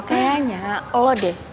kayaknya lo deh